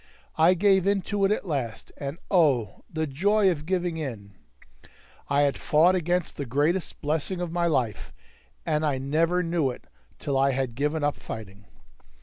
I gave in to it at last, and oh! the joy of giving in! I had fought against the greatest blessing of my life, and I never knew it till I had given up fighting.